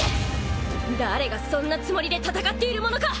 誰がそんなつもりで戦っているものか！